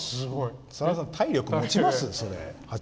さださん、体力持ちます？